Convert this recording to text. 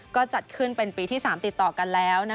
ก็จัดขึ้นเป็นปีที่๓ติดต่อกันแล้ว